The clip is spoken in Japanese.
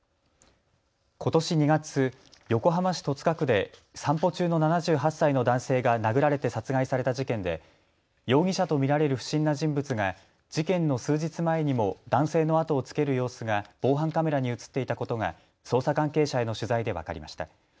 ことし２月、横浜市戸塚区で散歩中の７８歳の男性が殴られて殺害された事件で容疑者と見られる不審な人物が事件の数日前にも男性の後をつける様子が防犯カメラに写っていたことが捜査関係者への取材で分かりました。